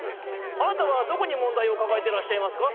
「あなたはどこにもんだいをかかえてらっしゃいますか？」。